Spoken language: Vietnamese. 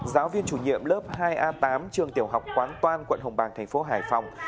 giáo viên chủ nhiệm lớp hai a tám trường tiểu học quán toan quận hồng bàng tp hải phòng